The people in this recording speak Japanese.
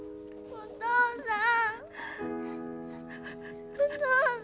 お父さん。